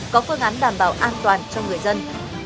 có phương án đảm bảo an toàn cho người dân